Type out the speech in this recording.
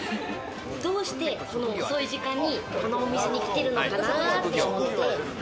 どうしてこの遅い時間にこの店に来てるのかな？って思って。